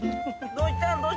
どうしたん？